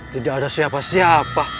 tidak ada siapa siapa